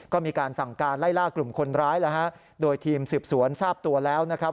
ก็มีการสั่งการไล่ล่ากลุ่มคนร้ายแล้วฮะโดยทีมสืบสวนทราบตัวแล้วนะครับ